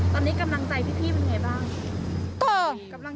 ตอนนี้กำลังใจพี่เป็นไงบ้าง